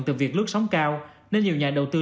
từ việc lướt sóng cao nên nhiều nhà đầu tư